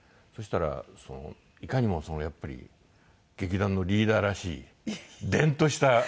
そしたらいかにもやっぱり劇団のリーダーらしいデンとした。